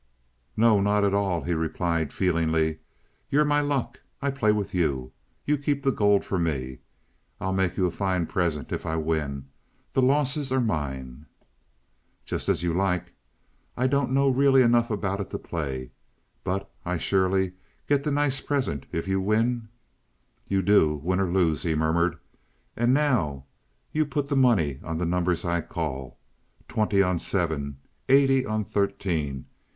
"No, not at all," he replied, feelingly. "You're my luck. I play with you. You keep the gold for me. I'll make you a fine present if I win. The losses are mine." "Just as you like. I don't know really enough about it to play. But I surely get the nice present if you win?" "You do, win or lose," he murmured. "And now you put the money on the numbers I call. Twenty on seven. Eighty on thirteen.